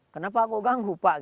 kenapa aku ganggu pak